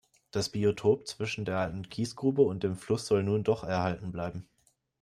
Das Biotop zwischen der alten Kiesgrube und dem Fluss soll nun doch erhalten bleiben.